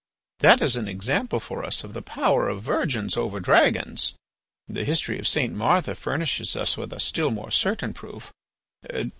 "That is an example for us of the power of virgins over dragons. The history of St. Martha furnishes us with a still more certain proof.